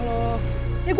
ya gue gak bangun